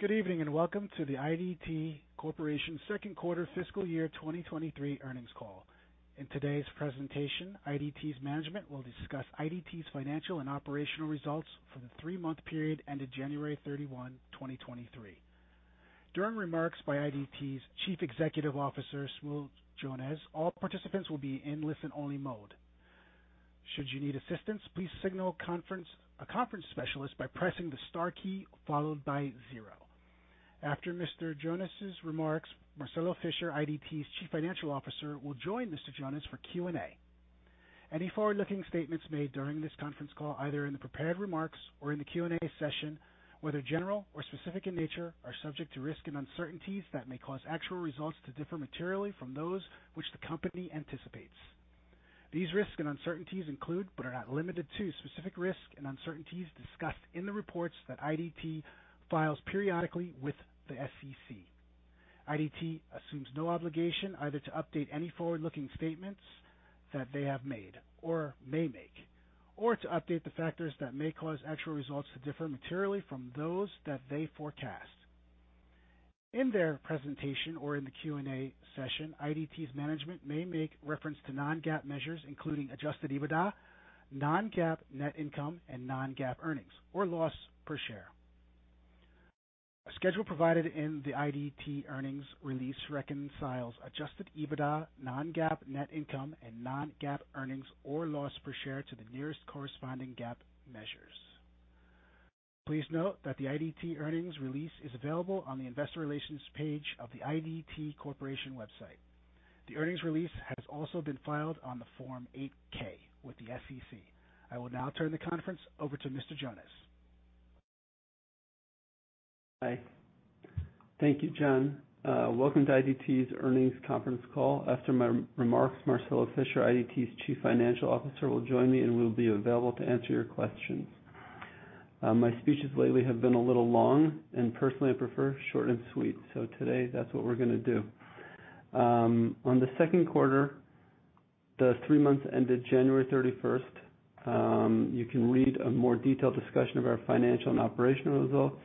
Good evening, welcome to the IDT Corporation Second Quarter Fiscal Year 2023 Earnings Call. In today's presentation, IDT's management will discuss IDT's financial and operational results for the three-month period ended January 31, 2023. During remarks by IDT's Chief Executive Officer, Shmuel Jonas, all participants will be in listen-only mode. Should you need assistance, please signal a conference specialist by pressing the star key followed by zero. After Mr. Jonas' remarks, Marcelo Fischer, IDT's Chief Financial Officer, will join Mr. Jonas for Q&A. Any forward-looking statements made during this conference call, either in the prepared remarks or in the Q&A session, whether general or specific in nature, are subject to risks and uncertainties that may cause actual results to differ materially from those which the company anticipates. These risks and uncertainties include, but are not limited to, specific risks and uncertainties discussed in the reports that IDT files periodically with the SEC. IDT assumes no obligation either to update any forward-looking statements that they have made or may make, or to update the factors that may cause actual results to differ materially from those that they forecast. In their presentation or in the Q&A session, IDT's management may make reference to non-GAAP measures, including adjusted EBITDA, non-GAAP net income, and non-GAAP earnings or loss per share. A schedule provided in the IDT earnings release reconciles adjusted EBITDA, non-GAAP net income, and non-GAAP earnings or loss per share to the nearest corresponding GAAP measures. Please note that the IDT earnings release is available on the investor relations page of the IDT Corporation website. The earnings release has also been filed on the Form 8-K with the SEC. I will now turn the conference over to Mr. Jonas. Hi. Thank you, John. Welcome to IDT's earnings conference call. After my remarks, Marcelo Fischer, IDT's Chief Financial Officer, will join me and will be available to answer your questions. My speeches lately have been a little long, and personally, I prefer short and sweet. Today, that's what we're gonna do. On the second quarter, the three months ended January 31st, you can read a more detailed discussion of our financial and operational results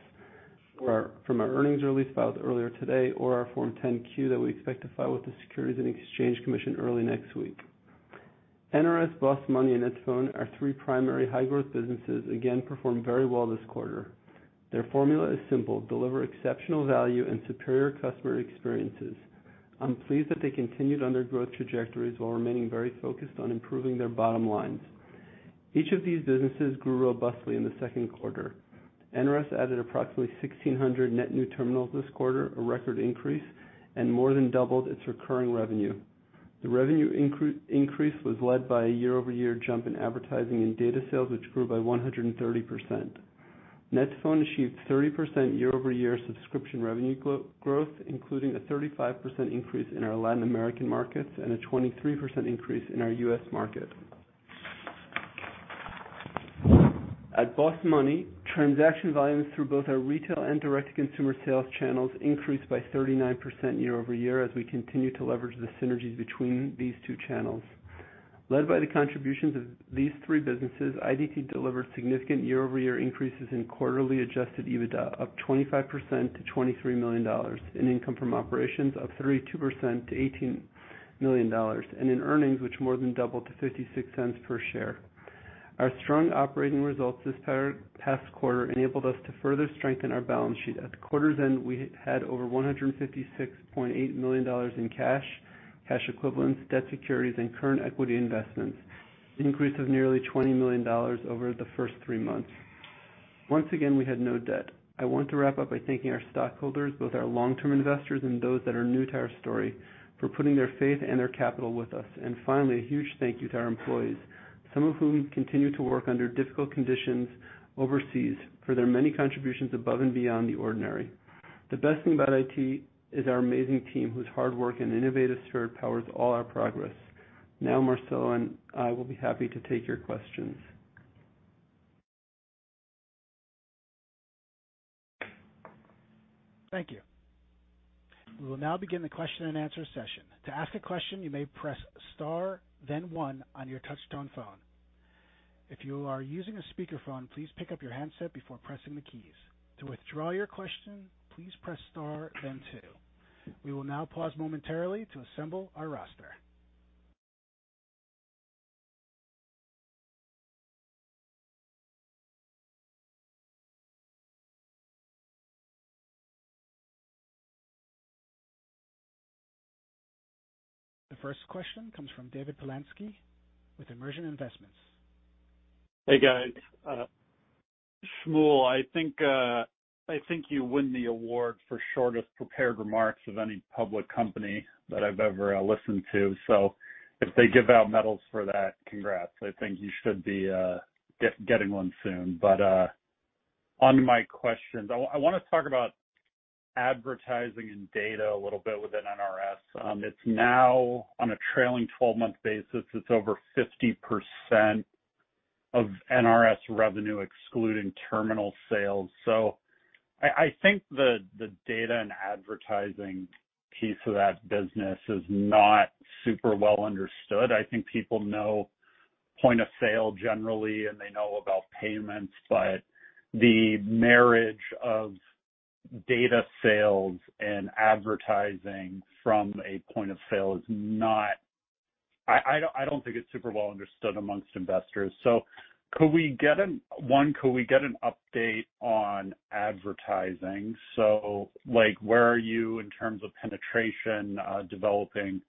or from our earnings release filed earlier today or our Form 10-Q that we expect to file with the Securities and Exchange Commission early next week. NRS, BOSS Money and net2phone, our three primary high-growth businesses, again performed very well this quarter. Their formula is simple: deliver exceptional value and superior customer experiences. I'm pleased that they continued on their growth trajectories while remaining very focused on improving their bottom lines. Each of these businesses grew robustly in the second quarter. NRS added approximately 1,600 net new terminals this quarter, a record increase, and more than doubled its recurring revenue. The revenue increase was led by a year-over-year jump in advertising and data sales, which grew by 130%. net2phone achieved 30% year-over-year subscription revenue growth, including a 35% increase in our Latin American markets and a 23% increase in our U.S. market. At BOSS Money, transaction volumes through both our retail and direct-to-consumer sales channels increased by 39% year-over-year as we continue to leverage the synergies between these two channels. Led by the contributions of these three businesses, IDT delivered significant year-over-year increases in quarterly adjusted EBITDA up 25% to $23 million, in income from operations up 32% to $18 million, and in earnings, which more than doubled to $0.56 per share. Our strong operating results this past quarter enabled us to further strengthen our balance sheet. At quarter's end, we had over $156.8 million in cash equivalents, debt securities, and current equity investments, an increase of nearly $20 million over the first three months. Once again, we had no debt. I want to wrap up by thanking our stockholders, both our long-term investors and those that are new to our story, for putting their faith and their capital with us. Finally, a huge thank you to our employees, some of whom continue to work under difficult conditions overseas for their many contributions above and beyond the ordinary. The best thing about IDT is our amazing team, whose hard work and innovative spirit powers all our progress. Marcelo and I will be happy to take your questions. Thank you. We will now begin the question-and-answer session. To ask a question, you may press star, then one on your touchtone phone. If you are using a speakerphone, please pick up your handset before pressing the keys. To withdraw your question, please press star then two. We will now pause momentarily to assemble our roster. The first question comes from David Polansky with Immersion Investments. Hey, guys. Shmuel, I think, I think you win the award for shortest prepared remarks of any public company that I've ever listened to. If they give out medals for that, congrats. I think you should be getting one soon. Onto my questions. I wanna talk about advertising and data a little bit within NRS. It's now on a trailing 12-month basis. It's over 50% of NRS revenue, excluding terminal sales. I think the data and advertising piece of that business is not super well understood. I think people know point of sale generally, and they know about payments, but the marriage of data sales and advertising from a point of sale is not. I don't think it's super well understood amongst investors. Could we get an update on advertising? Like where are you in terms of penetration, developing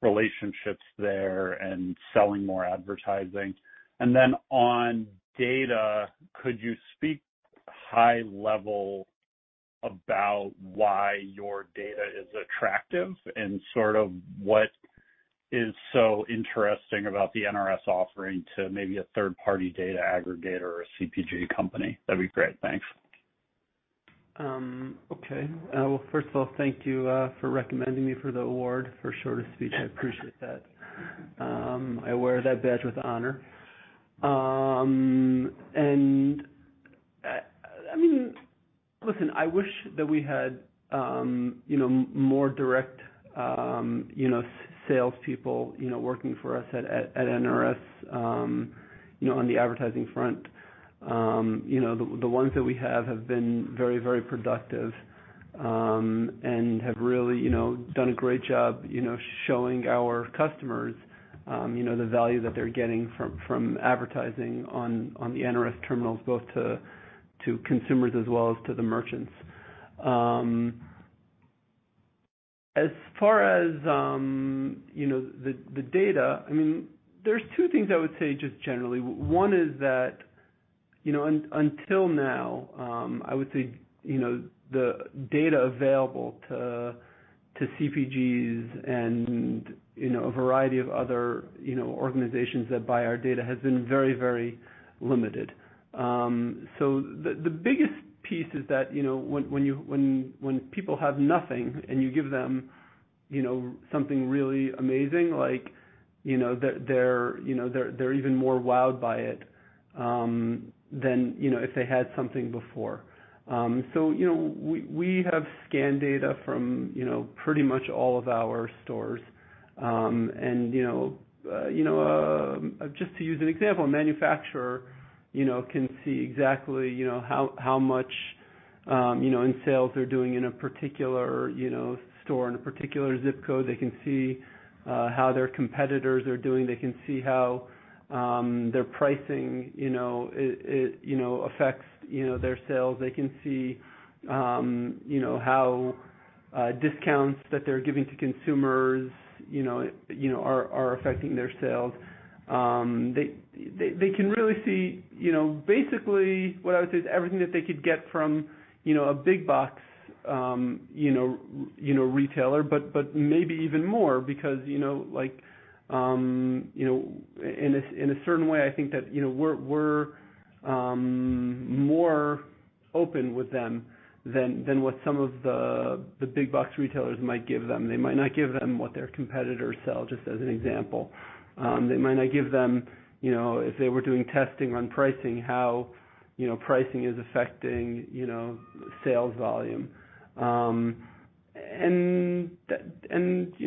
relationships there and selling more advertising? On data, could you speak high level about why your data is attractive and sort of what is so interesting about the NRS offering to maybe a third-party data aggregator or a CPG company? That'd be great. Thanks. Okay. Well, first of all, thank you for recommending me for the award, for short of speech. I appreciate that. I wear that badge with honor. I mean, listen, I wish that we had, you know, more direct, you know, salespeople, you know, working for us at NRS, you know, on the advertising front. You know, the ones that we have have been very, very productive, and have really, you know, done a great job, you know, showing our customers, you know, the value that they're getting from advertising on the NRS terminals, both to consumers as well as to the merchants. As far as, you know, the data, I mean, there's two things I would say just generally. One is that, you know, until now, I would say, you know, the data available to CPGs and, you know, a variety of other, you know, organizations that buy our data has been very, very limited. The biggest piece is that, you know, when people have nothing and you give them, you know, something really amazing like, you know, they're, you know, they're even more wowed by it than, you know, if they had something before. You know, we have scan data from, you know, pretty much all of our stores. You know, just to use an example, a manufacturer, you know, can see exactly, you know, how much, you know, in sales they're doing in a particular, you know, store in a particular zip code. They can see how their competitors are doing. They can see how their pricing, you know, it affects, you know, their sales. They can see how discounts that they're giving to consumers, you know, are affecting their sales. They can really see, you know, basically what I would say is everything that they could get from, you know, a big box retailer, but maybe even more because, you know, like, in a certain way, I think that, you know, we're more open with them than what some of the big box retailers might give them. They might not give them what their competitors sell, just as an example. They might not give them, you know, if they were doing testing on pricing, how, you know, pricing is affecting, you know, sales volume. You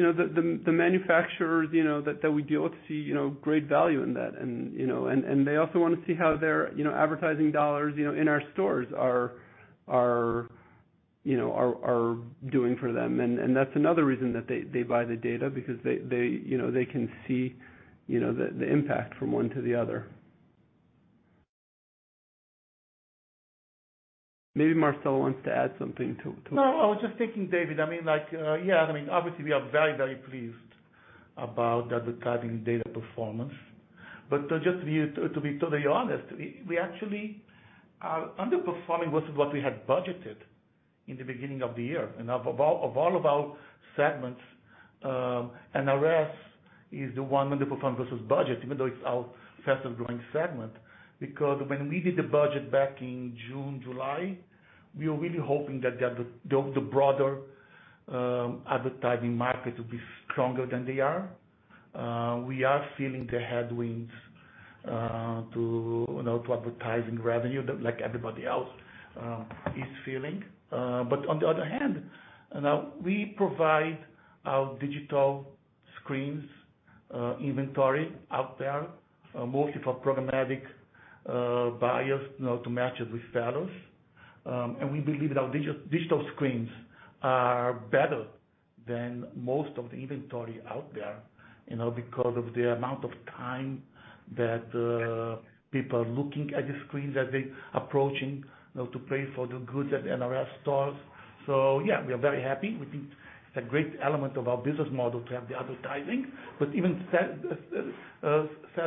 know, the, the manufacturers, you know, that we deal with see, you know, great value in that. You know, and they also want to see how their, you know, advertising dollars, you know, in our stores are, you know, are doing for them. That's another reason that they buy the data because they, you know, they can see, you know, the impact from one to the other. Maybe Marcelo wants to add something to. No, I was just thinking, David, I mean, obviously we are very, very pleased about the advertising data performance. Just to be totally honest, we actually are underperforming versus what we had budgeted in the beginning of the year. Of all of our segments, NRS is the one underperforming versus budget, even though it's our fastest growing segment. When we did the budget back in June, July, we were really hoping that the broader advertising market would be stronger than they are. We are feeling the headwinds, to, you know, to advertising revenue like everybody else is feeling. On the other hand, now we provide our digital screens, inventory out there, mostly for programmatic buyers, you know, to match it with sellers. We believe that our digital screens are better than most of the inventory out there, you know, because of the amount of time that people are looking at the screens as they approaching, you know, to pay for the goods at NRS stores. Yeah, we are very happy. We think it's a great element of our business model to have the advertising. Even said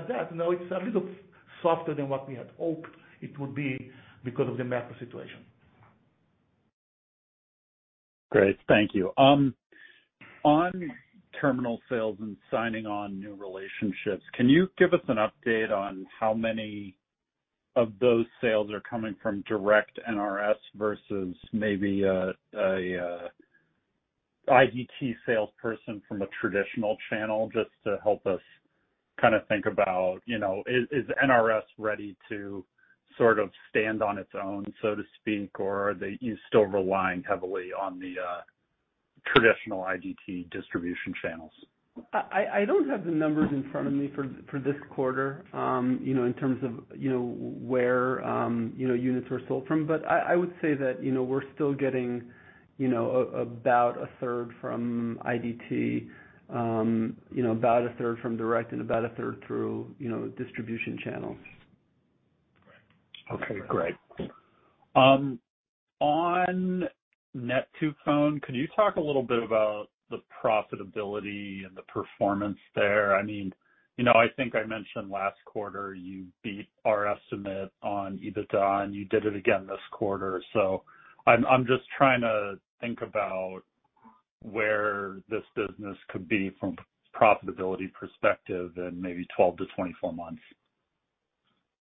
that, you know, it's a little softer than what we had hoped it would be because of the macro situation. Great. Thank you. On terminal sales and signing on new relationships, can you give us an update on how many of those sales are coming from direct NRS versus maybe a IDT salesperson from a traditional channel, just to help us kinda think about, you know, is NRS ready to sort of stand on its own, so to speak? Or are you still relying heavily on the traditional IDT distribution channels. I don't have the numbers in front of me for this quarter, you know, in terms of, you know, where, you know, units were sold from, but I would say that, you know, we're still getting, you know, about 1/3 from IDT, you know, about 1/3 from direct and about 1/3 through, you know, distribution channels. Okay, great. on net2phone, could you talk a little bit about the profitability and the performance there? I mean, you know, I think I mentioned last quarter you beat our estimate on EBITDA. You did it again this quarter. I'm just trying to think about where this business could be from profitability perspective in maybe 12-24 months.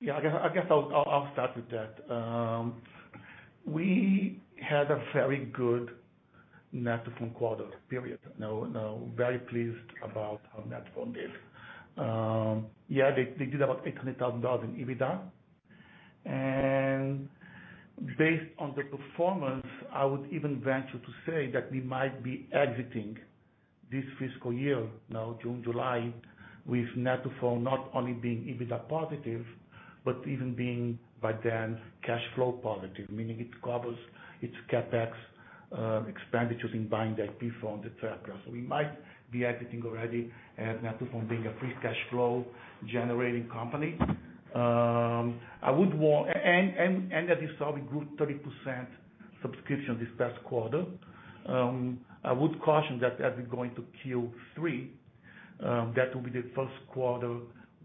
Yeah, I guess I'll start with that. We had a very good net2phone quarter period. You know, now very pleased about how net2phone did. Yeah, they did about $800,000 in EBITDA. Based on the performance, I would even venture to say that we might be exiting this fiscal year, now June, July, with net2phone not only being EBITDA positive, but even being by then cash flow positive, meaning it covers its CapEx expenditures in buying the IP phone, et cetera. We might be exiting already as net2phone being a free cash flow generating company. As you saw, we grew 30% subscription this past quarter. I would caution that as we go into Q3, that will be the first quarter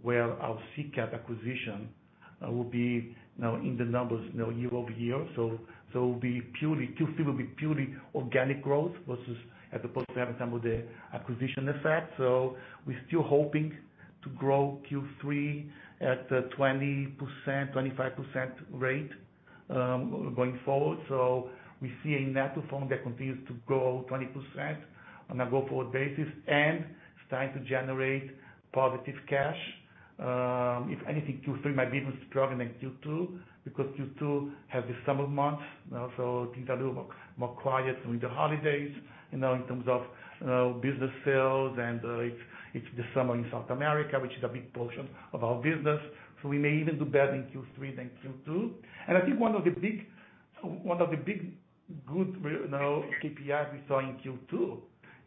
where our CCaaS acquisition will be now in the numbers, you know, year-over-year. Q3 will be purely organic growth versus as opposed to having some of the acquisition effect. We're still hoping to grow Q3 at a 20%, 25% rate going forward. We see a net2phone that continues to grow 20% on a go-forward basis and starting to generate positive cash. If anything, Q3 might be even stronger than Q2, because Q2 has the summer months. You know, things are a little more, more quiet during the holidays, you know, in terms of, you know, business sales, and it's the summer in South America, which is a big portion of our business. We may even do better in Q3 than Q2. I think one of the big good you knnow, KPIs we saw in Q2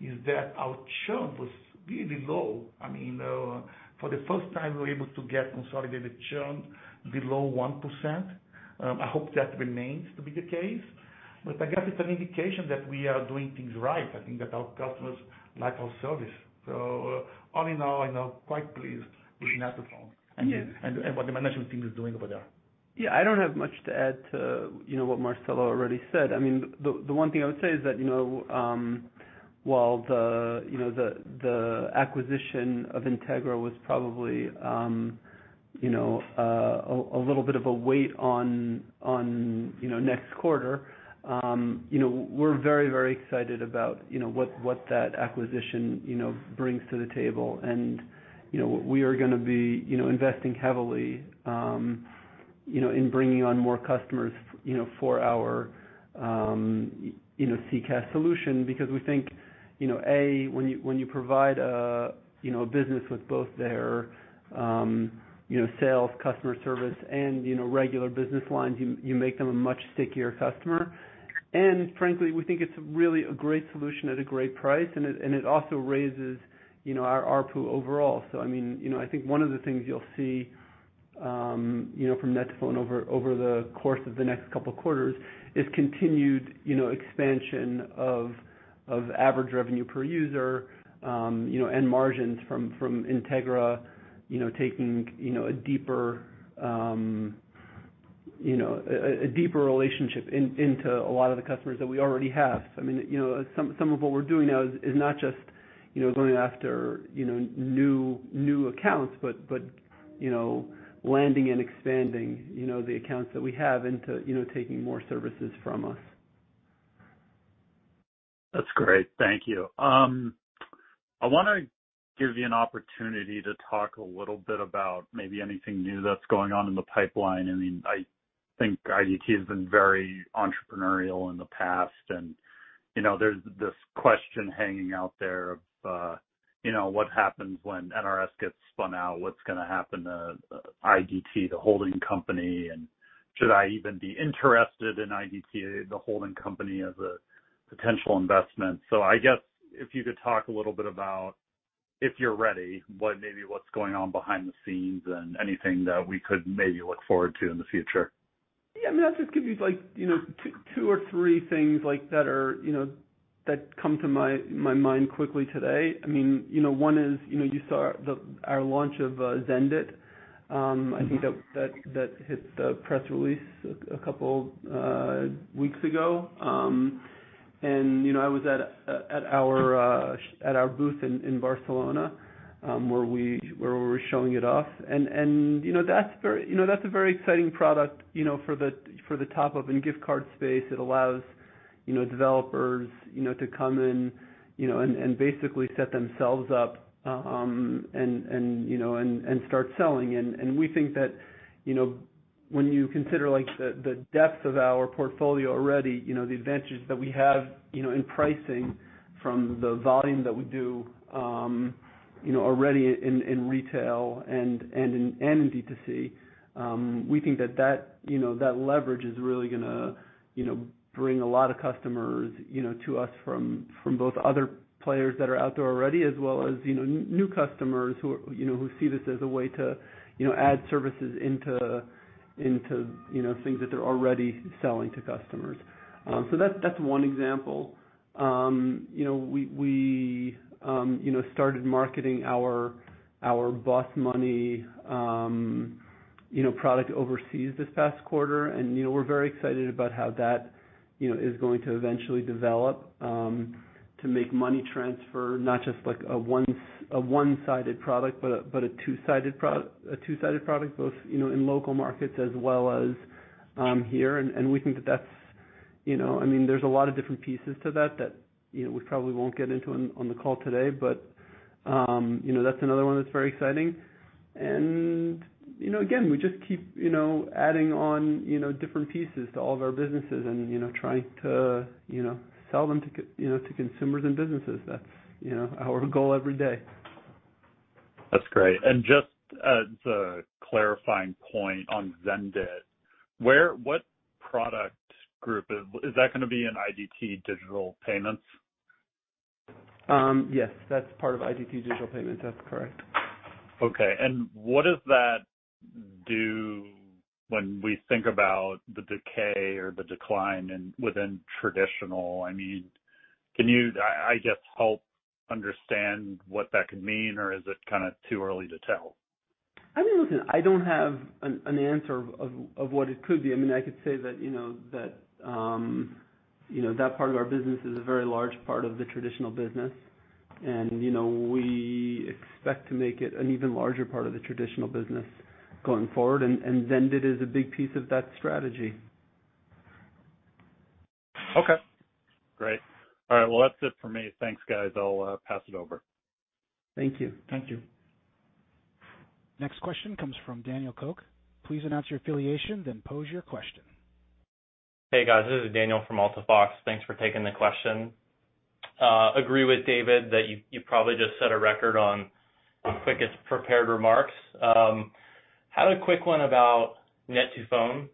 is that our churn was really low. I mean, for the first time, we were able to get consolidated churn below 1%. I hope that remains to be the case, but I guess it's an indication that we are doing things right. I think that our customers like our service. All in all, you know, quite pleased with net2phone and what the management team is doing over there. Yeah, I don't have much to add to, you know, what Marcelo already said. I mean, the one thing I would say is that, you know, while the, you know, the acquisition of Integra was probably, you know, a little bit of a weight on, you know, next quarter, you know, we're very, very excited about, you know, what that acquisition, you know, brings to the table. We are gonna be, you know, investing heavily, you know, in bringing on more customers, you know, for our, you know, CCaaS solution because we think, you know, A, when you, when you provide a, you know, a business with both their, you know, sales, customer service and, you know, regular business lines, you make them a much stickier customer. Frankly, we think it's really a great solution at a great price, and it also raises, you know, our ARPU overall. I mean, you know, I think one of the things you'll see, you know, from net2phone over the course of the next couple quarters is continued, you know, expansion of average revenue per user, you know, and margins from Integra, you know, taking, you know, a deeper relationship into a lot of the customers that we already have. I mean, you know, some of what we're doing now is not just, you know, going after, you know, new accounts, but, you know, landing and expanding, you know, the accounts that we have into, you know, taking more services from us. That's great. Thank you. I wanna give you an opportunity to talk a little bit about maybe anything new that's going on in the pipeline. I mean, I think IDT has been very entrepreneurial in the past and, you know, there's this question hanging out there of, you know, what happens when NRS gets spun out? What's gonna happen to IDT, the holding company? Should I even be interested in IDT, the holding company, as a potential investment? I guess if you could talk a little bit about, if you're ready, what maybe what's going on behind the scenes and anything that we could maybe look forward to in the future. Yeah, I mean, I'll just give you like, you know, two or three things like that are, you know, that come to my mind quickly today. I mean, you know, one is, you know, you saw our launch of Zendit. I think that hit the press release a couple weeks ago. You know, I was at our booth in Barcelona, where we were showing it off. You know, that's a very exciting product, you know, for the top of in gift card space. It allows, you know, developers, you know, to come in. You know, and basically set themselves up, and, you know, and start selling. We think that, you know, when you consider like the depth of our portfolio already, you know, the advantages that we have, you know, in pricing from the volume that we do, you know, already in retail and in D2C, we think that, you know, that leverage is really gonna, you know, bring a lot of customers, you know, to us from both other players that are out there already, as well as, you know, new customers who see this as a way to, you know, add services into, you know, things that they're already selling to customers. That's one example. You know, we, you know, started marketing our BOSS Money, you know, product overseas this past quarter. You know, we're very excited about how that, you know, is going to eventually develop to make money transfer, not just like a one-sided product, but a two-sided product, both, you know, in local markets as well as here. We think that that's, you know. I mean, there's a lot of different pieces to that, you know, we probably won't get into on the call today. You know, that's another one that's very exciting. You know, again, we just keep, you know, adding on, you know, different pieces to all of our businesses and, you know, trying to, you know, sell them to consumers and businesses. That's, you know, our goal every day. That's great. Just as a clarifying point on Zendit, what product group? Is that gonna be in IDT Digital Payments? Yes, that's part of IDT Digital Payments. That's correct. Okay. What does that do when we think about the decay or the decline within traditional? I mean, can you just help understand what that could mean or is it kinda too early to tell? I mean, listen, I don't have an answer of what it could be. I mean, I could say that, you know, that, you know, that part of our business is a very large part of the traditional business. You know, we expect to make it an even larger part of the traditional business going forward. Zendit is a big piece of that strategy. Okay. Great. All right. That's it for me. Thanks, guys. I'll pass it over. Thank you. Thank you. Next question comes from Daniel Koch. Please announce your affiliation then pose your question. Hey, guys. This is Daniel from Alta Fox. Thanks for taking the question. agree with David that you probably just set a record on quickest prepared remarks. had a quick one about net2phone.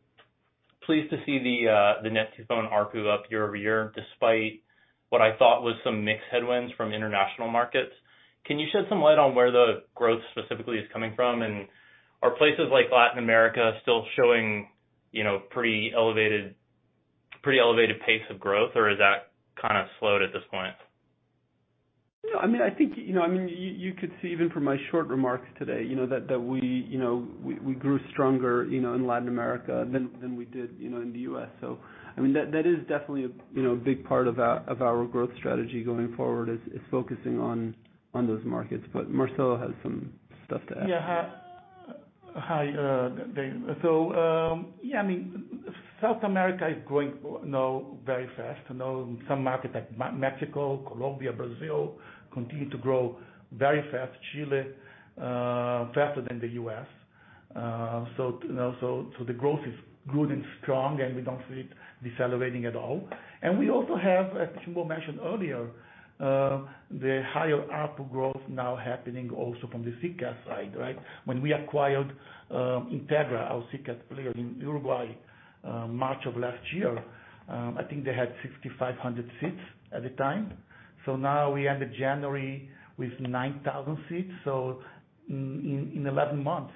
Pleased to see the net2phone ARPU up year-over-year, despite what I thought was some mixed headwinds from international markets. Can you shed some light on where the growth specifically is coming from? Are places like Latin America still showing, you know, pretty elevated pace of growth, or has that kinda slowed at this point? I mean, I think, you know, I mean, you could see even from my short remarks today, you know, that we, you know, we grew stronger, you know, in Latin America than we did, you know, in the U.S. I mean, that is definitely a, you know, a big part of our growth strategy going forward, is focusing on those markets. Marcelo has some stuff to add. Hi, Dave. I mean, South America is growing now very fast, you know. Some markets like Mexico, Colombia, Brazil, continue to grow very fast. Chile, faster than the U.S. You know, the growth is good and strong, and we don't see it decelerating at all. We also have, as Shmuel mentioned earlier, the higher ARPU growth now happening also from the CCaaS side, right? When we acquired Integra, our CCaaS player in Uruguay, March of last year, I think they had 6,500 seats at the time. Now we ended January with 9,000 seats. In 11 months,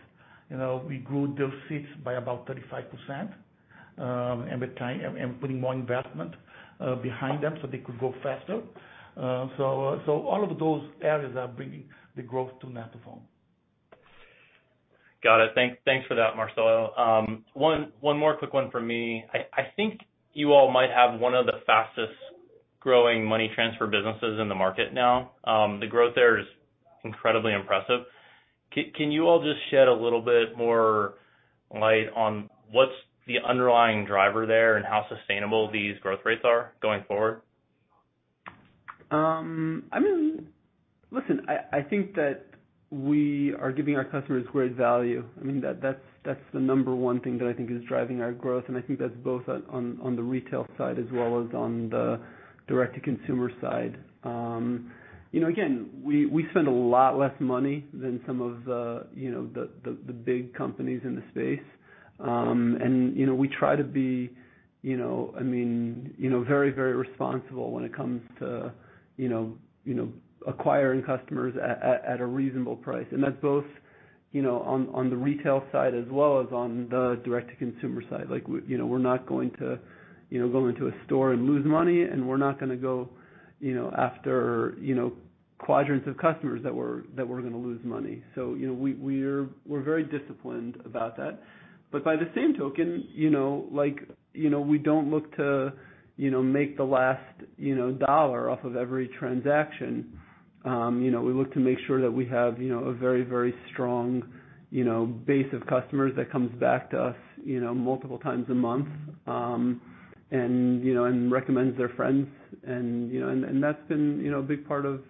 you know, we grew those seats by about 35%, and putting more investment behind them, so they could grow faster. All of those areas are bringing the growth to net2phone. Got it. Thanks for that, Marcelo. One more quick one for me. I think you all might have one of the fastest growing money transfer businesses in the market now. The growth there is incredibly impressive. Can you all just shed a little bit more light on what's the underlying driver there and how sustainable these growth rates are going forward? I mean, listen, I think that we are giving our customers great value. I mean, that's the number one thing that I think is driving our growth, and I think that's both on the retail side as well as on the direct-to-consumer side. You know, again, we spend a lot less money than some of the, you know, the big companies in the space. You know, we try to be, you know, I mean, you know, very, very responsible when it comes to, you know, acquiring customers at a reasonable price. That's both, you know, on the retail side as well as on the direct-to-consumer side. Like, you know, we're not going to, you know, go into a store and lose money, and we're not gonna go, you know, after, you know, quadrants of customers that we're gonna lose money. You know, we're, we're very disciplined about that. By the same token, you know, like, you know, we don't look to, you know, make the last, you know, dollar off of every transaction. You know, we look to make sure that we have, you know, a very, very strong, you know, base of customers that comes back to us, you know, multiple times a month, and, you know, and recommends their friends and, you know, and that's been, you know, a big part of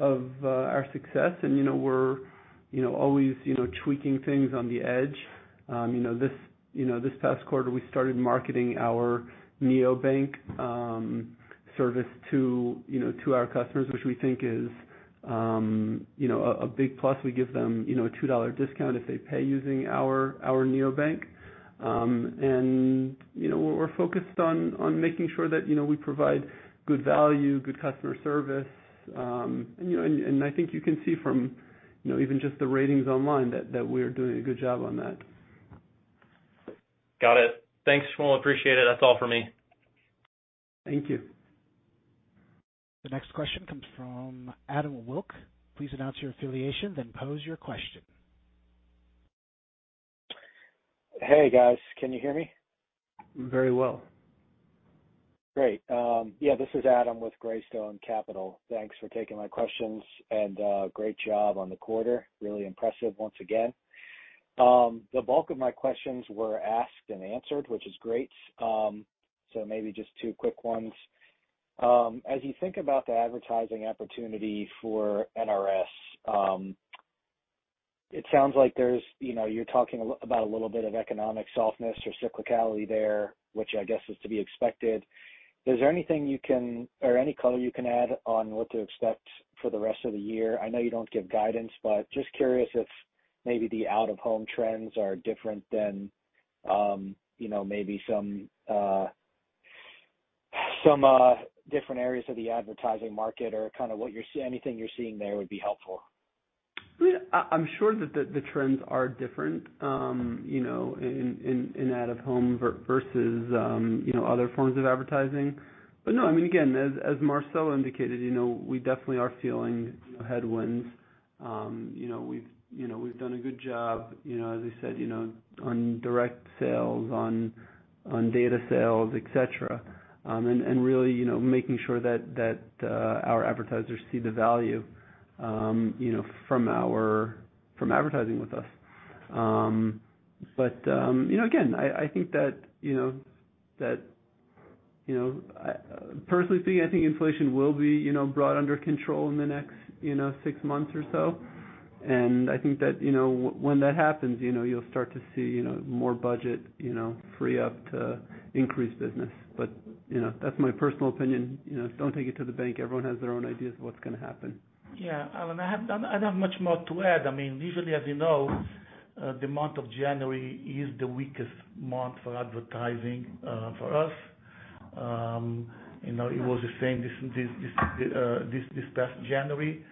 our success. You know, we're, you know, always, you know, tweaking things on the edge. You know, this, you know, this past quarter, we started marketing our neobank service to, you know, to our customers, which we think is, you know, a big plus. We give them, you know, a $2 discount if they pay using our neobank. You know, we're focused on making sure that, you know, we provide good value, good customer service. You know, and I think you can see from, you know, even just the ratings online that we're doing a good job on that. Got it. Thanks, Shmuel. Appreciate it. That's all for me. Thank you. The next question comes from Adam Wilk. Please announce your affiliation, then pose your question. Hey, guys. Can you hear me? Very well. Great. Yeah, this is Adam with Greystone Capital. Thanks for taking my questions, great job on the quarter. Really impressive once again. The bulk of my questions were asked and answered, which is great. Maybe just two quick ones. As you think about the advertising opportunity for NRS, it sounds like there's, you know, you're talking about a little bit of economic softness or cyclicality there, which I guess is to be expected. Is there anything you can or any color you can add on what to expect for the rest of the year? I know you don't give guidance, just curious if maybe the out-of-home trends are different than, you know, maybe some different areas of the advertising market or kinda what anything you're seeing there would be helpful. I'm sure that the trends are different, you know, in out-of-home versus, you know, other forms of advertising. No, I mean, again, as Marcelo indicated, you know, we definitely are feeling headwinds. You know, we've done a good job, you know, as I said, you know, on direct sales, on data sales, et cetera. Really, you know, making sure that our advertisers see the value, you know, from advertising with us. You know, again, I think that, personally speaking, I think inflation will be, you know, brought under control in the next, you know, six months or so. I think that, you know, when that happens, you know, you'll start to see, you know, more budget, you know, free up to increase business. You know, that's my personal opinion. You know, don't take it to the bank. Everyone has their own ideas of what's gonna happen. Yeah. Adam, I don't have much more to add. I mean, usually, as you know, the month of January is the weakest month for advertising for us. You know, it was the same this past January.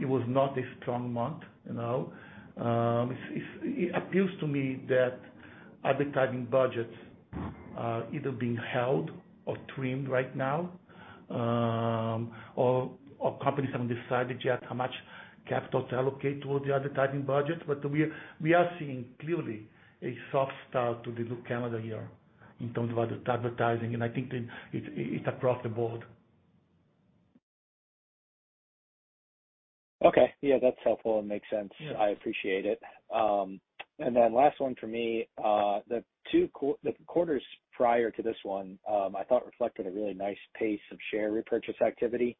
It was not a strong month, you know. It appears to me that advertising budgets are either being held or trimmed right now, or companies haven't decided yet how much capital to allocate toward the advertising budget. We are seeing clearly a soft start to the calendar year in terms of advertising, and I think that it's across the board. Okay. Yeah, that's helpful and makes sense. Yeah. I appreciate it. Then last one for me. The quarters prior to this one, I thought reflected a really nice pace of share repurchase activity,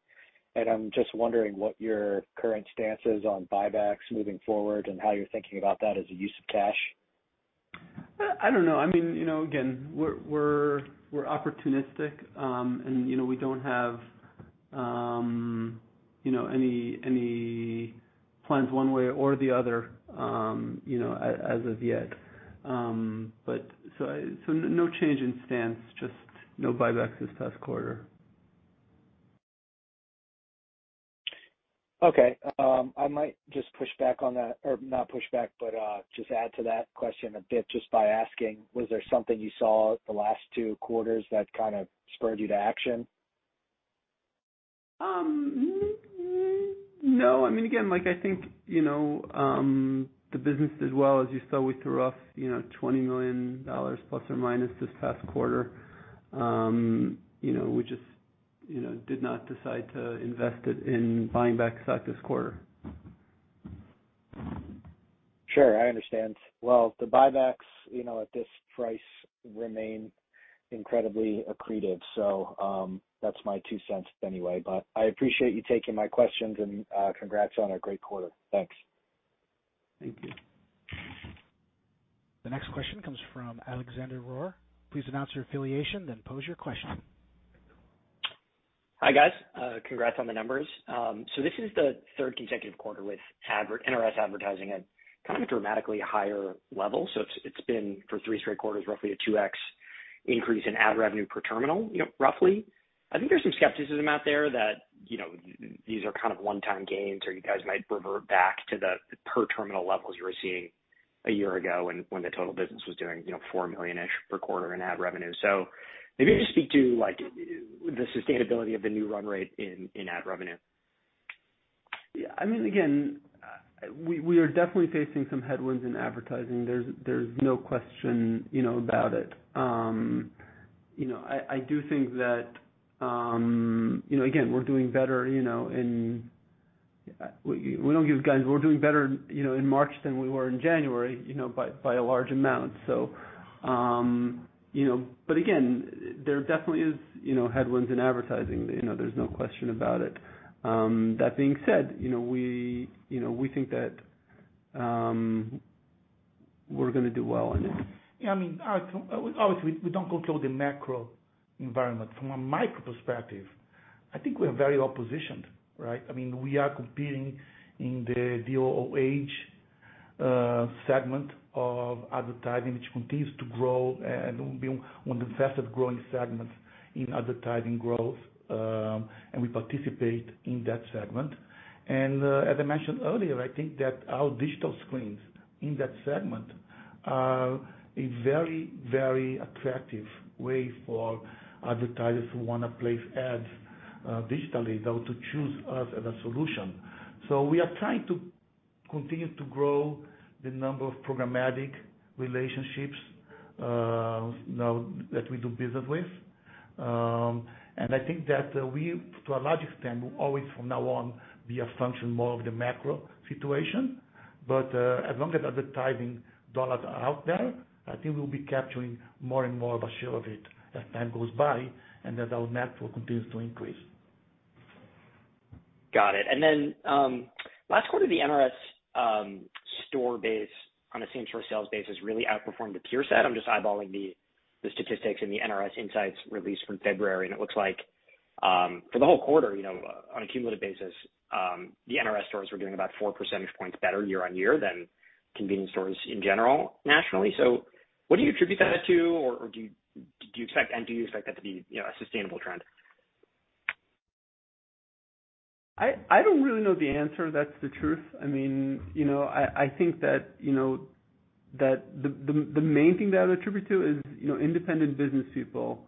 and I'm just wondering what your current stance is on buybacks moving forward and how you're thinking about that as a use of cash. I don't know. I mean, you know, again, we're opportunistic, and, you know, we don't have, you know, any plans one way or the other, you know, as of yet. So no change in stance, just no buybacks this past quarter. Okay. I might just push back on that. Not push back, but, just add to that question a bit just by asking, was there something you saw the last two quarters that kind of spurred you to action? No. I mean, again, like, I think, you know, the business did well. As you saw, we threw off, you know, $20 million ± this past quarter. You know, we just, you know, did not decide to invest it in buying back stock this quarter. Sure. I understand. Well, the buybacks, you know, at this price remain incredibly accretive. That's my two cents anyway. I appreciate you taking my questions. Congrats on a great quarter. Thanks. Thank you. The next question comes from Alexander Rohr. Please announce your affiliation, then pose your question. Hi, guys. Congrats on the numbers. This is the third consecutive quarter with NRS advertising at kind of a dramatically higher level. It's been for three straight quarters, roughly a 2x increase in ad revenue per terminal, you know, roughly. I think there's some skepticism out there that, you know, these are kind of one-time gains or you guys might revert back to the per terminal levels you were seeing a year ago when the total business was doing, you know, $4 million-ish per quarter in ad revenue. Maybe just speak to, like, the sustainability of the new run rate in ad revenue. Yeah, I mean, again, we are definitely facing some headwinds in advertising. There's no question, you know, about it. You know, I do think that, you know, again, we're doing better, you know, and we don't give guidance. We're doing better, you know, in March than we were in January, you know, by a large amount. You know. Again, there definitely is, you know, headwinds in advertising. You know, there's no question about it. That being said, you know, we think that we're gonna do well in it. Yeah, I mean, obviously we don't control the macro environment. From a micro perspective, I think we are very well-positioned, right? I mean, we are competing in the DOOH segment of advertising, which continues to grow and will be one of the fastest-growing segments in advertising growth. We participate in that segment. As I mentioned earlier, I think that our digital screens in that segment are a very, very attractive way for advertisers who wanna place ads digitally, though, to choose us as a solution. We are trying to continue to grow the number of programmatic relationships, you know, that we do business with. I think that we, to a large extent, will always from now on be a function more of the macro situation. As long as advertising dollars are out there, I think we'll be capturing more and more of a share of it as time goes by and as our network continues to increase. Got it. Last quarter, the NRS store base on a same-store sales basis really outperformed the peer set. I'm just eyeballing the statistics in the NRS Insights release from February, and it looks like, for the whole quarter, you know, on a cumulative basis, the NRS stores were doing about 4 percentage points better year-over-year than convenience stores in general, nationally. What do you attribute that to, or, do you expect that to be, you know, a sustainable trend? I don't really know the answer. That's the truth. I mean, you know, I think that, you know, the main thing that I would attribute to is, you know, independent business people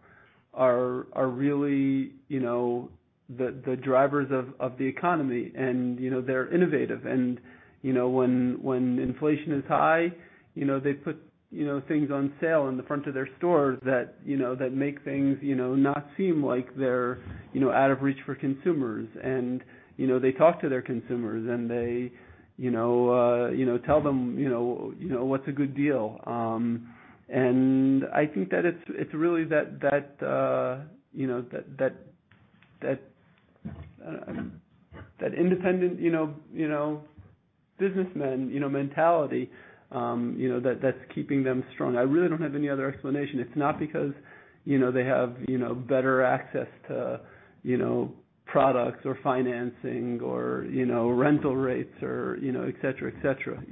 are really, you know, the drivers of the economy. You know, they're innovative. You know, when inflation is high, you know, they put, you know, things on sale in the front of their stores that, you know, that make things, you know, not seem like they're, you know, out of reach for consumers. You know, they talk to their consumers, and they, you know, tell them, you know, what's a good deal. I think that it's really that, you know, that independent, you know, businessman, you know, mentality, you know, that's keeping them strong. I really don't have any other explanation. It's not because they have better access to products or financing or rental rates or et cetera.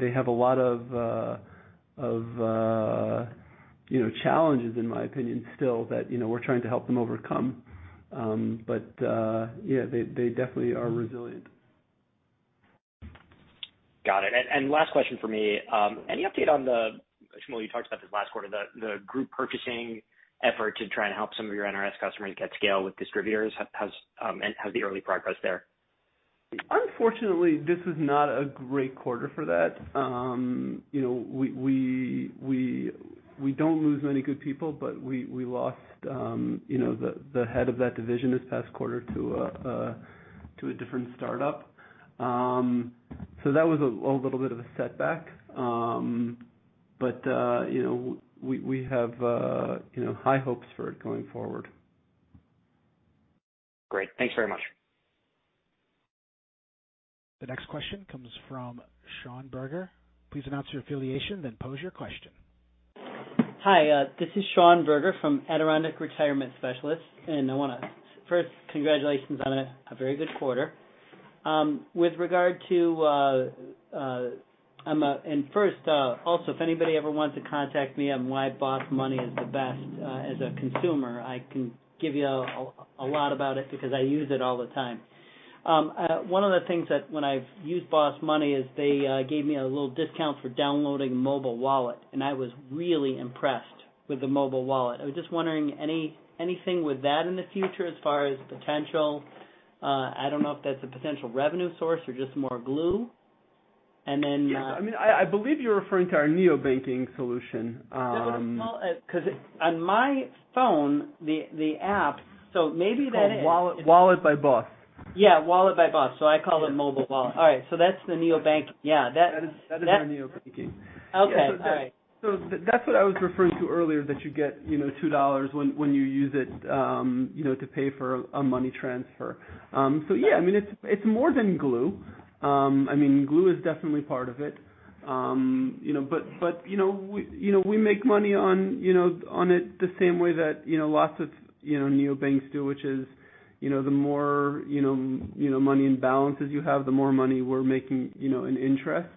They have a lot of challenges, in my opinion, still, that we're trying to help them overcome. Yeah, they definitely are resilient. Got it. Last question from me. Any update on the, Shmuel, you talked about this last quarter, the group purchasing effort to try and help some of your NRS customers get scale with distributors. Has, how's the early progress there? Unfortunately, this is not a great quarter for that. You know, we don't lose many good people, but we lost, you know, the head of that division this past quarter to a different startup. That was a little bit of a setback. You know, we have, you know, high hopes for it going forward. Great. Thanks very much. The next question comes from Sean Berger. Please announce your affiliation, then pose your question. Hi, this is Sean Berger from Adirondack Retirement Specialists. First, congratulations on a very good quarter. First, also, if anybody ever wants to contact me on why BOSS Money is the best, as a consumer, I can give you a lot about it because I use it all the time. One of the things that when I've used BOSS Money is they gave me a little discount for downloading mobile wallet, and I was really impressed with the mobile wallet. I was just wondering anything with that in the future as far as potential. I don't know if that's a potential revenue source or just more glue. Yes. I mean, I believe you're referring to our neobanking solution. small, on my phone, the app. Maybe that is. It's called Wallet by BOSS. Yeah, Wallet by BOSS. I call it mobile wallet. All right. that's the neobank. Yeah. That is our neobanking. Okay. All right. That's what I was referring to earlier, that you get, you know, $2 when you use it, you know, to pay for a money transfer. Yeah, I mean, it's more than glue. I mean, glue is definitely part of it. You know, we, you know, we make money on, you know, on it the same way that, you know, lots of, you know, neobanks do, which is, you know, the more, you know, money in balances you have, the more money we're making, you know, in interest.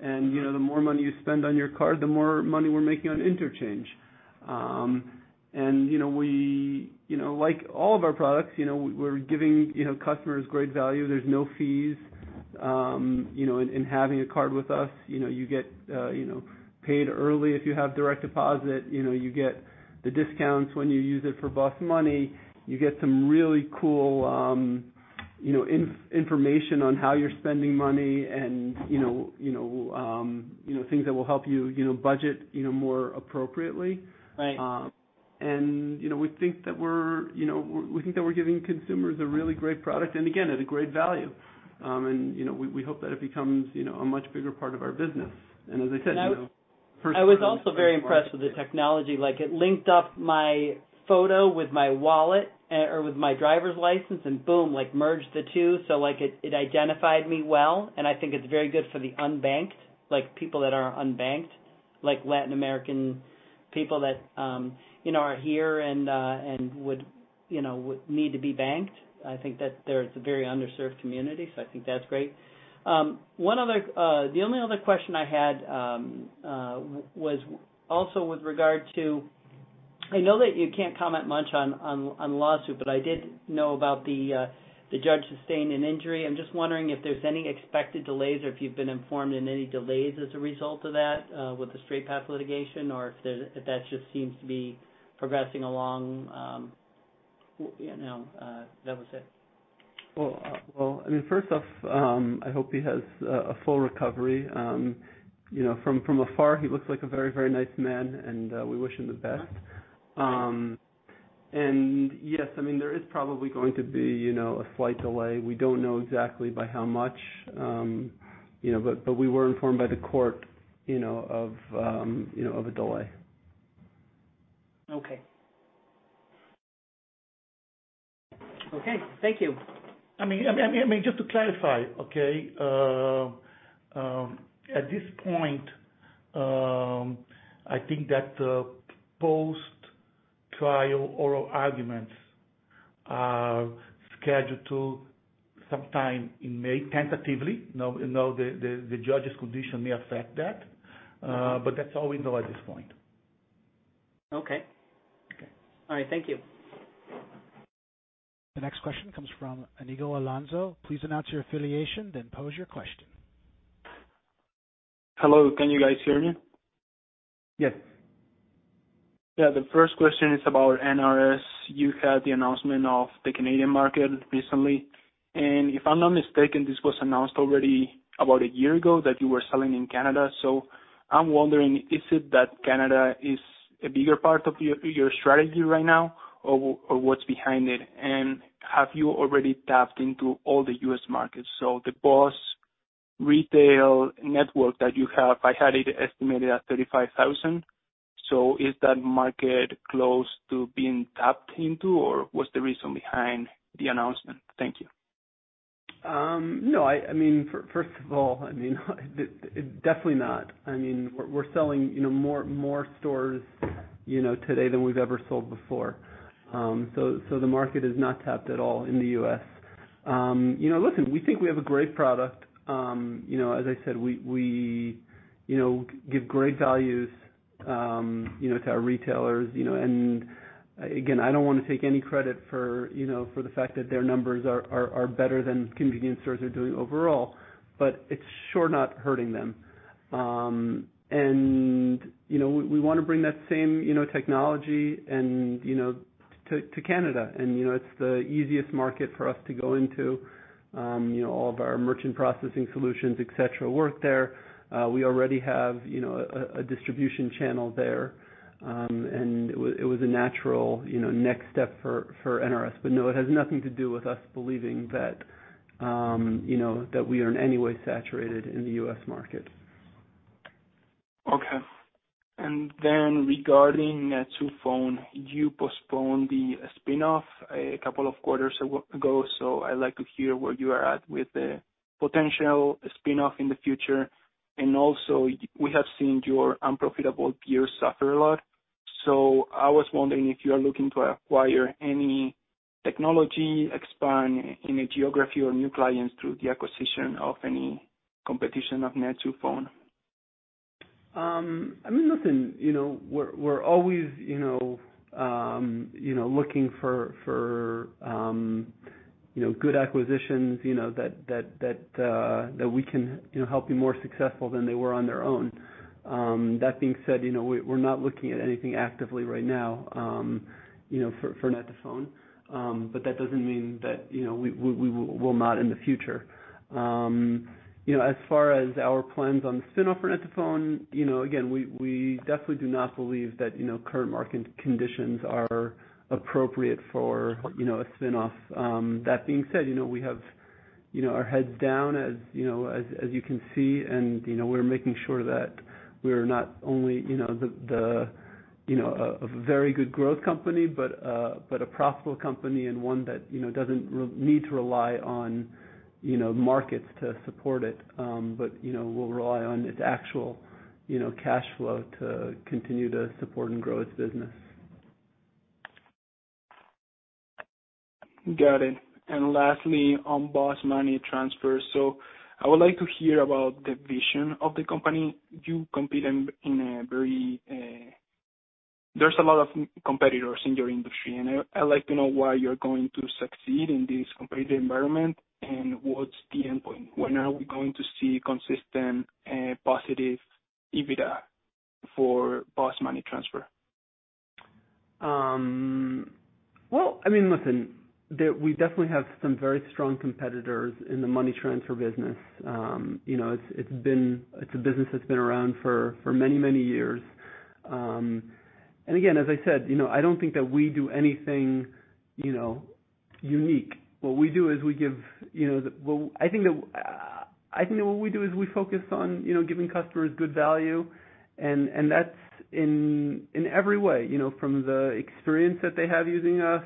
The more money you spend on your card, the more money we're making on interchange. We, you know, like all of our products, you know, we're giving, you know, customers great value. There's no fees. You know, in having a card with us, you know, you get, you know, paid early if you have direct deposit. You know, you get the discounts when you use it for BOSS Money. You get some really cool, you know, information on how you're spending money and, you know, you know, you know, things that will help you know, budget, you know, more appropriately. Right. You know, we think that we're, you know, we think that we're giving consumers a really great product and again, at a great value. You know, we hope that it becomes, you know, a much bigger part of our business. As I said, you know, first- I was also very impressed with the technology. Like, it linked up my photo with my wallet, or with my driver's license, and boom, like, merged the two. Like, it identified me well, and I think it's very good for the unbanked, like people that are unbanked, like Latin American people that, you know, are here and would, you know, would need to be banked. I think that they're a very underserved community, so I think that's great. The only other question I had was also with regard to, I know that you can't comment much on the lawsuit, but I did know about the judge sustaining an injury. I'm just wondering if there's any expected delays or if you've been informed in any delays as a result of that, with the Straight Path litigation or if that just seems to be progressing along. You know, that was it. I mean, first off, I hope he has a full recovery. You know, from afar he looks like a very, very nice man, and we wish him the best. Yes, I mean, there is probably going to be, you know, a slight delay. We don't know exactly by how much, you know. We were informed by the court, you know, of, you know, of a delay. Okay. Okay, thank you. I mean, just to clarify, okay, at this point, I think that the post-trial oral arguments are scheduled to sometime in May, tentatively. Now, the judge's condition may affect that. But that's all we know at this point. Okay. Okay. All right. Thank you. The next question comes from Iñigo Alonso. Please announce your affiliation then pose your question. Hello, can you guys hear me? Yes. The first question is about NRS. You had the announcement of the Canadian market recently, and if I'm not mistaken, this was announced already about a year ago that you were selling in Canada. I'm wondering, is it that Canada is a bigger part of your strategy right now, or what's behind it? Have you already tapped into all the U.S. markets? The BOSS retail network that you have, I had it estimated at 35,000. Is that market close to being tapped into, or what's the reason behind the announcement? Thank you. No. I mean, first of all, I mean definitely not. I mean, we're selling, you know, more stores, you know, today than we've ever sold before. The market is not tapped at all in the U.S. You know, listen, we think we have a great product. You know, as I said, we, you know, give great values, you know, to our retailers, you know. Again, I don't wanna take any credit for, you know, for the fact that their numbers are better than convenience stores are doing overall, but it's sure not hurting them. You know, we wanna bring that same, you know, technology and, you know, to Canada and, you know, it's the easiest market for us to go into. you know, all of our merchant processing solutions, et cetera, work there. We already have, you know, a distribution channel there. It was a natural, you know, next step for NRS. No, it has nothing to do with us believing that, you know, that we are in any way saturated in the U.S. market. Okay. Regarding net2phone, you postponed the spin-off a couple of quarters ago. I'd like to hear where you are at with the potential spin-off in the future. We have seen your unprofitable peers suffer a lot. I was wondering if you are looking to acquire any technology, expand any geography or new clients through the acquisition of any competition of net2phone. I mean, listen, you know, we're always, you know, looking for, you know, good acquisitions, you know, that we can, you know, help be more successful than they were on their own. That being said, you know, we're not looking at anything actively right now, you know, for net2phone. That doesn't mean that, you know, we will not in the future. You know, as far as our plans on the spin-off for net2phone, you know, again, we definitely do not believe that, you know, current market conditions are appropriate for, you know, a spin-off. That being said, you know, we have, you know, our heads down as, you know, as you can see, and, you know, we're making sure that we're not only, you know, the, you know, a very good growth company, but a, but a profitable company and one that, you know, doesn't need to rely on, you know, markets to support it. You know, we'll rely on its actual, you know, cash flow to continue to support and grow its business. Got it. Lastly, on BOSS Money Transfer. I would like to hear about the vision of the company. You compete in a very, There's a lot of competitors in your industry, and I'd like to know why you're going to succeed in this competitive environment and what's the endpoint? When are we going to see consistent, positive EBITDA for BOSS Money Transfer? Well, I mean, listen, we definitely have some very strong competitors in the money transfer business. You know, it's been... It's a business that's been around for many, many years. Again, as I said, you know, I don't think that we do anything, you know, unique. What we do is we give, you know, well, I think the, I think that what we do is we focus on, you know, giving customers good value and that's in every way. You know, from the experience that they have using us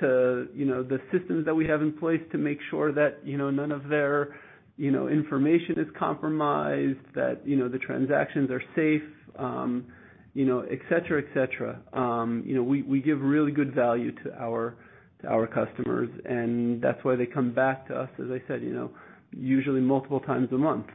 to, you know, the systems that we have in place to make sure that, you know, none of their, you know, information is compromised. That, you know, the transactions are safe, you know, et cetera, et cetera. You know, we give really good value to our, to our customers, and that's why they come back to us, as I said, you know, usually multiple times a month.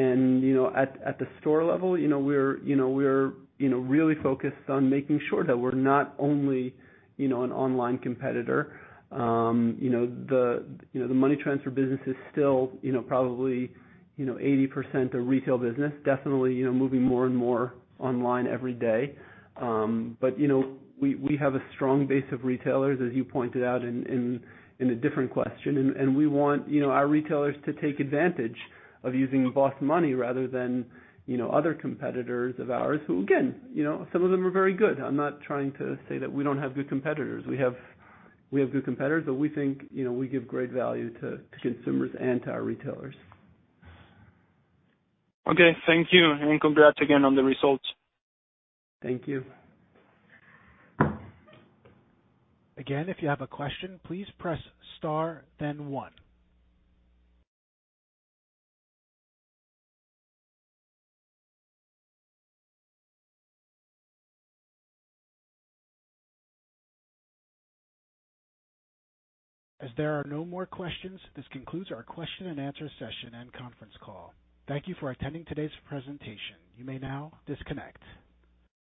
At, you know, at the store level, you know, we're, you know, really focused on making sure that we're not only, you know, an online competitor. You know, the money transfer business is still, you know, probably, you know, 80% a retail business. Definitely, you know, moving more and more online every day. We, you know, we have a strong base of retailers, as you pointed out in a different question. We want, you know, our retailers to take advantage of using BOSS Money rather than, you know, other competitors of ours who, again, you know, some of them are very good. I'm not trying to say that we don't have good competitors. We have good competitors. We think, you know, we give great value to consumers and to our retailers. Okay. Thank you, and congrats again on the results. Thank you. Again, if you have a question, please press star then one. As there are no more questions, this concludes our question and answer session and conference call. Thank you for attending today's presentation. You may now disconnect.